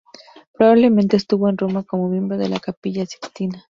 Probablemente estuvo en Roma como miembro de la Capilla Sixtina.